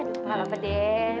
gak apa apa deh